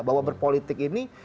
bahwa berpolitik ini